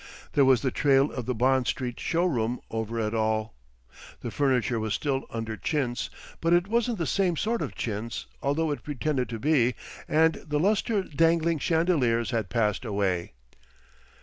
There was the trail of the Bond Street showroom over it all. The furniture was still under chintz, but it wasn't the same sort of chintz although it pretended to be, and the lustre dangling chandeliers had passed away.